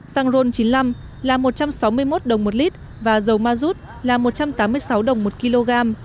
xăng ron chín mươi năm là một trăm sáu mươi một đồng một lít và dầu ma rút là một trăm tám mươi sáu đồng một kg